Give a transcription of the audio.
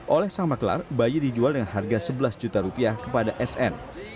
oleh sang maklar bayi dijual dengan harga sebelas juta rupiah kepada sn